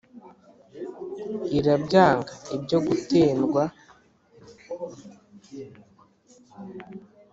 Irabyanga ibyo gutendwa,